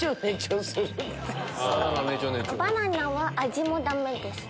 バナナは味もダメです